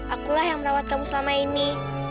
akulah yang merawat kamu selama ini